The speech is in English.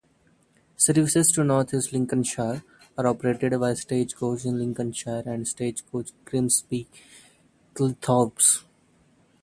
Services to North East Lincolnshire are operated by Stagecoach in Lincolnshire and Stagecoach Grimsby-Cleethorpes.